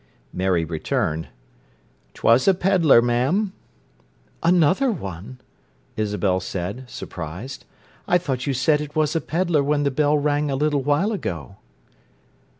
Mary returned. "Twas a pedlar, ma'am." "Another one?" Isabel said, surprised. "I thought you said it was a pedlar when the bell rang a little while ago."